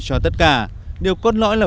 cho tất cả điều cốt lõi là